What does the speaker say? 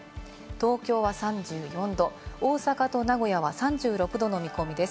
東京は３４度、大阪と名古屋は３６度の見込みです。